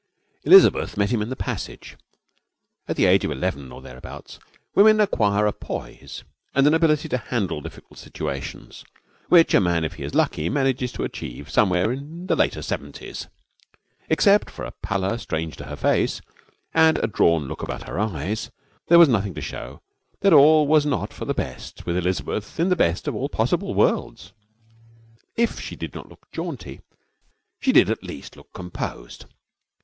Elizabeth met him in the passage. At the age of eleven or thereabouts women acquire a poise and an ability to handle difficult situations which a man, if he is lucky, manages to achieve somewhere in the later seventies. Except for a pallor strange to her face and a drawn look about her eyes, there was nothing to show that all was not for the best with Elizabeth in a best of all possible worlds. If she did not look jaunty, she at least looked composed.